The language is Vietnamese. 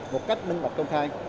một cách minh mật công khai